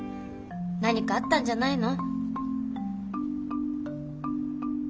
何かあったんじゃないの？